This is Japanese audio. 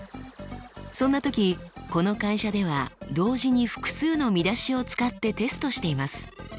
そんな時この会社では同時に複数の見出しを使ってテストしています。